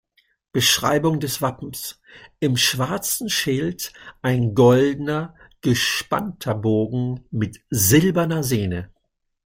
Beschreibung des Wappens: Im schwarzen Schild ein goldener gespannter Bogen mit silberner Sehne.